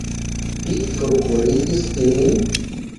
Vi forkurigis ilin?